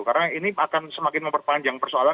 karena ini akan semakin memperpanjang persoalan